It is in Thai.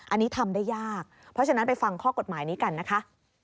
อันนี้ทำได้ยากเพราะฉะนั้นไปฟังข้อกฎหมายนี้กันนะคะ